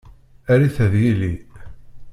Err-it ad yili.